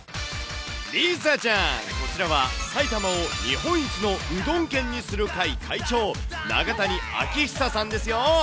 梨紗ちゃん、こちらは埼玉を日本一のうどん県にする会会長、永谷晶久さんですよ。